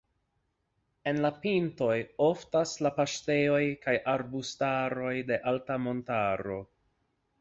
En la pintoj oftas la paŝtejoj kaj arbustaroj de alta montaro.